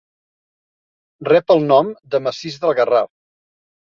Rep el nom de Massís del Garraf.